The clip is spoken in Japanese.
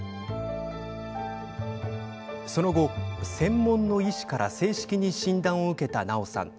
その後、専門の医師から正式に診断を受けた奈緒さん。